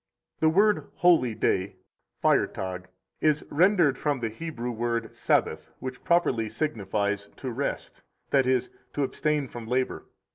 ] 79 The word holy day (Feiertag) is rendered from the Hebrew word sabbath which properly signifies to rest, that is, to abstain from labor.